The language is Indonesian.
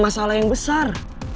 masalah yang besar